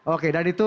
oke dan itu